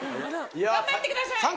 頑張ってください！